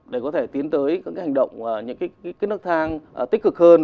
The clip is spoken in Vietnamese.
để có thể tiến tới những cái hành động những cái nước thang tích cực hơn